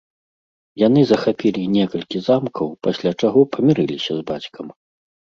Яны захапілі некалькі замкаў, пасля чаго памірыліся з бацькам.